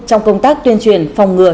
trong công tác tuyên truyền phòng ngừa